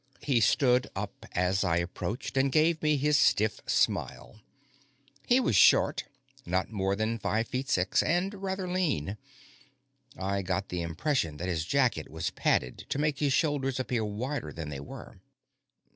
He stood up as I approached and gave me his stiff smile. He was short not more than five foot six and rather lean. I got the impression that his jacket was padded to make his shoulders appear wider than they were.